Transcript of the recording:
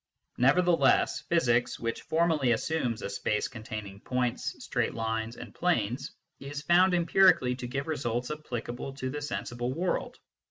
Nevertheless physics, which formally assumes a space containing points, straight lines, and planes, is found empirically to give results applicable to the sensible world.